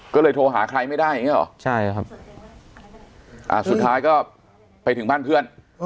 ก็เลยโทรหาใครไม่ได้อย่างนี้หรอใช่ครับสุดท้ายก็ไปถึงบ้านเพื่อน